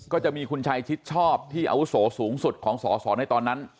ก็จะมีคุณชัยชิดชอบที่อาวุโสสูงสุดของสอสอในตอนนั้น